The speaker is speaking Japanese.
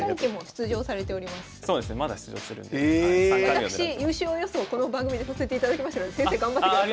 私優勝予想この番組でさせていただきましたので先生頑張ってください。